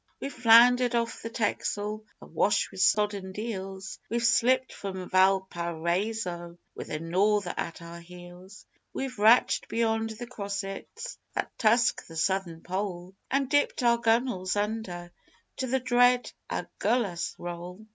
We've floundered off the Texel, Awash with sodden deals, We've slipped from Valparaiso With the Norther at our heels: We've ratched beyond the Crossets That tusk the Southern Pole, And dipped our gunnels under To the dread Agulhas roll.